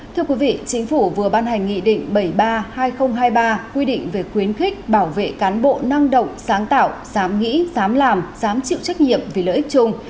thưa quý vị chính phủ vừa ban hành nghị định bảy mươi ba hai nghìn hai mươi ba quy định về khuyến khích bảo vệ cán bộ năng động sáng tạo dám nghĩ dám làm dám chịu trách nhiệm vì lợi ích chung